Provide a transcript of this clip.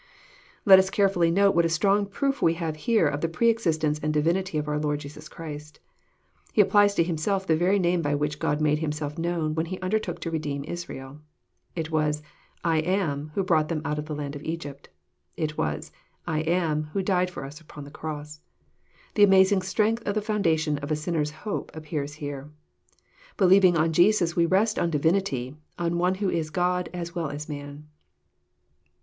Let us carefully note what a strong proof we have here of the pre existence and divinity of our Lord Jesus Christ. He applies to Himself the very name by which God made Himself known when He undertook to redeem Israel. It was I AM " who brought them out of the land of Egypt. It was I AM'* who died for us upon the cross. The amazing strength of the foun dation of a sinner's hope appears here. Believing on Jesus we rest on divinity, on One who is God as well as man.